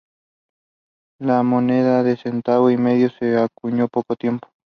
La moneda de centavo y medio se acuñó poco tiempo.